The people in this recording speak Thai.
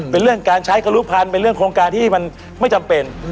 เป็นเรื่องการใช้กรุพันธ์เป็นเรื่องโครงการที่มันไม่จำเป็น